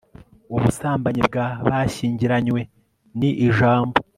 ubusambanyi bwa bashyingiranywe ni ijambo